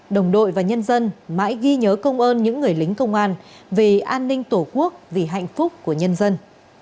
đồng đội và nhân dân mãi ghi nhớ công ơn những người lính công an vì an ninh tổ quốc vì hạnh phúc của nhân dân